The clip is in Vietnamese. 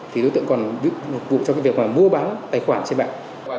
thì đối tượng còn phục vụ cho việc mua bán tài khoản trên mạng